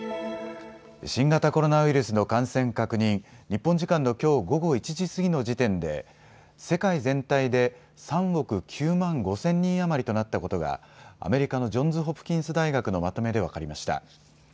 新型コロナウイルスの感染確認、日本時間のきょう午後１時過ぎの時点で世界全体で３億９万５０００人余りとなったことがアメリカのジョンズ・ホプキンス大学のまとめで分かりました。